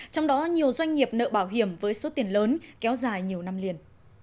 trong đó nhiều doanh nghiệp nợ bảo hiểm với số tiền lớn kéo dài nhiều năm liền